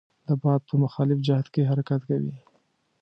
د باد په مخالف جهت کې حرکت کوي.